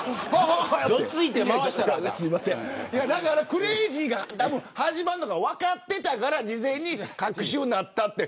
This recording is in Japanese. クレイジーが始まるのが分かっていたから事前に隔週になったって